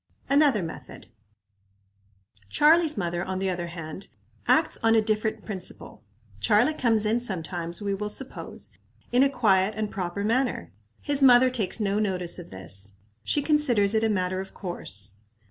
Another Method. Charlie's mother, on the other hand, acts on a different principle. Charlie comes in sometimes, we will suppose, in a quiet and proper manner. His mother takes no notice of this. She considers it a matter of course.